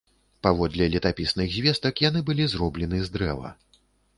Паводле летапісных звестак, яны былі зроблены з дрэва.